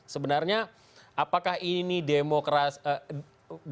sebenarnya apakah ini demokrasi